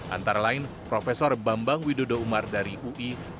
antara lain prof bambang widodo umar dari ui